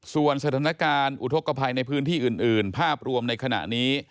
ส่วนสถานการณ์อุทธกภัยในพื้นที่อื่นภาพรวมในขณะนี้